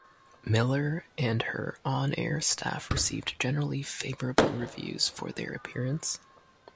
Miller and her on-air staff received generally favorable reviews for their appearance.